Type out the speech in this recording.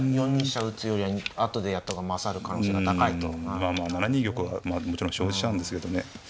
まあまあまあ７二玉はもちろん生じちゃうんですけどね。